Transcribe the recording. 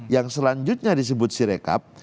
yang selanjutnya disebut si rekap